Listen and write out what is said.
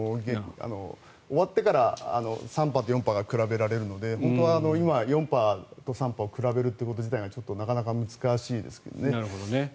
終わってから３波と４波が比べられるので本当は今、４波と３波を比べるということ自体がなかなか難しいです。